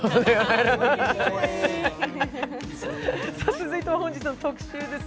続いては本日の特集です。